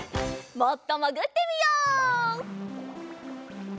もっともぐってみよう。